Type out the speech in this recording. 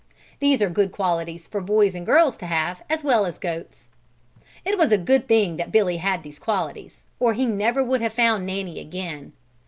These are good qualities for boys and girls to have as well as goats. It was a good thing that Billy had these qualities, or he never would have found Nanny again.